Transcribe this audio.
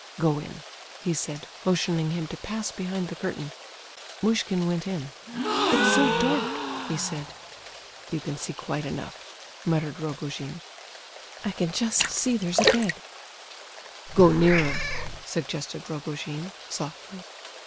"Go in," he said, motioning him to pass behind the curtain. Muishkin went in. "It's so dark," he said. "You can see quite enough," muttered Rogojin. "I can just see there's a bed—" "Go nearer," suggested Rogojin, softly.